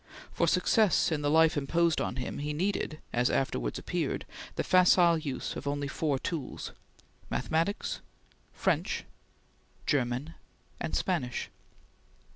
For success in the life imposed on him he needed, as afterwards appeared, the facile use of only four tools: Mathematics, French, German, and Spanish.